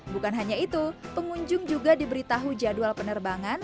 bukan hanya itu pengunjung juga diberitahu jadwal penerbangan